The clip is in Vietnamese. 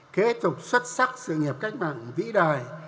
kế tục xuất sắc sự nghiệp cách mạng vĩ đại